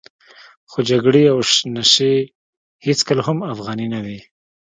خو جګړې او نشې هېڅکله هم افغاني نه وې.